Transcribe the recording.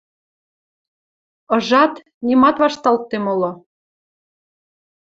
Ыжат, нимат вашталтде моло.